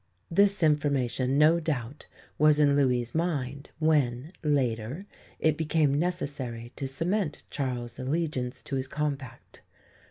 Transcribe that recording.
This information, no doubt, was in Louis' mind when, later, it became necessary to cement Charles's allegiance to his compact.